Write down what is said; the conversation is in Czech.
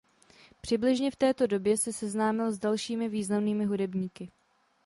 Přibližně v této době se seznámil s dalšími významnými hudebníky.